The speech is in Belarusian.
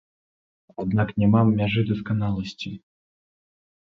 Аднак няма мяжы дасканаласці.